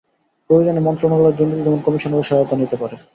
প্রয়োজনে মন্ত্রণালয় দুর্নীতি দমন কমিশনেরও সহায়তা নিতে পারে।